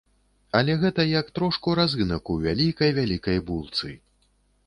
Але гэта як трошку разынак у вялікай-вялікай булцы.